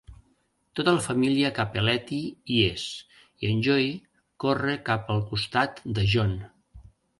Tota la família Cappelletti hi és, i en Joey corre cap al costat de John.